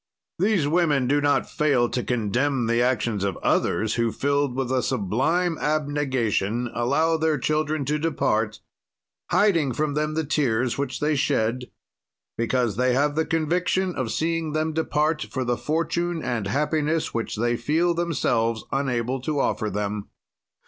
"These women do not fail to condemn the action of others, who, filled with a sublime abnegation, allow their children to depart, hiding from them the tears which they shed, because they have the conviction of seeing them depart for the fortune and the happiness which they feel themselves unable to offer them.